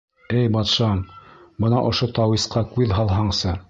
— Эй батшам, бына ошо тауисҡа күҙ һалһаңсы.